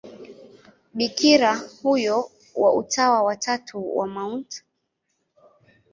Bikira huyo wa Utawa wa Tatu wa Mt.